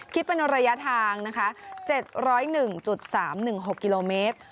คิดเป็นระยะทาง๗๐๑๓๑๖กิโลเมตร